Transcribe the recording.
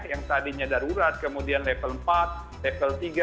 yang tadinya darurat kemudian level empat level tiga